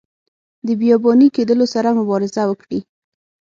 د بیاباني کیدلو سره مبارزه وکړي.